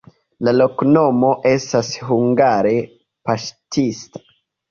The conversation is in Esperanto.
La loknomo estas hungare: paŝtista.